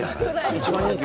一番人気？